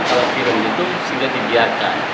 kalau film itu sudah dibiarkan